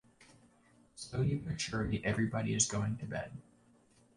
Slowly but surely everybody is going to bed.